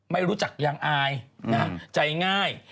ไม่รู้จักยังอายใจง่าย